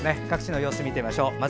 各地の様子、見てみましょう。